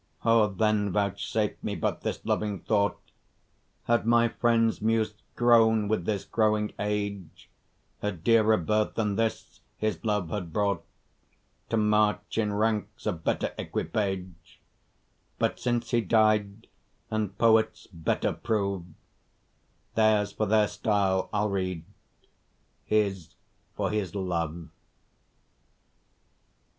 O! then vouchsafe me but this loving thought: 'Had my friend's Muse grown with this growing age, A dearer birth than this his love had brought, To march in ranks of better equipage: But since he died and poets better prove, Theirs for their style I'll read, his for his love'.